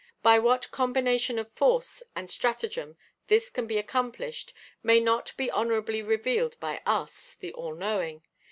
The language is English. By what combination of force and stratagem this can be accomplished may not be honourably revealed by us, the all knowing.